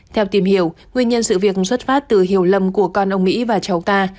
theo tìm hiểu nguyên nhân sự việc xuất phát từ hiểu lầm của con ông mỹ và cháu ta